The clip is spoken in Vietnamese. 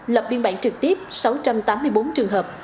lập biên bản trực tiếp sáu trăm tám mươi bốn trường hợp